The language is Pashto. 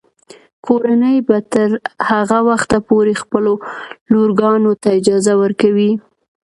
کورنۍ به تر هغه وخته پورې خپلو لورګانو ته اجازه ورکوي.